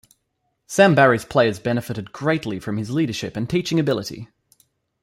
Sam Barry's players benefited greatly from his leadership and teaching ability.